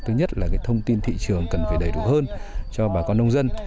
thứ nhất là thông tin thị trường cần phải đầy đủ hơn cho bà con nông dân